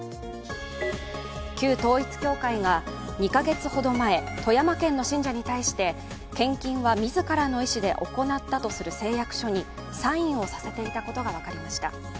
旧統一教会が２か月ほど前、富山県の信者に対して献金は自らの意思で行ったとする誓約書にサインをさせていたことが分かりました。